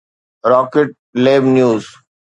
rocket Lab news